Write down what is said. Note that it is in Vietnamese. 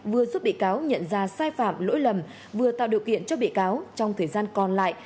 vừa giúp bị cáo nhận ra sai phạm lỗi lầm vừa tạo điều kiện cho bị cáo trong thời gian còn lại